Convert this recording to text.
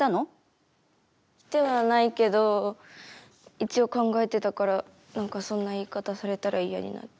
着てはないけど一応、考えてたからなんか、そんな言い方されたら嫌になる。